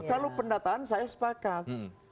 kalau pendataan saya sepakat